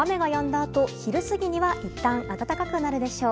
あと昼過ぎにはいったん暖かくなるでしょう。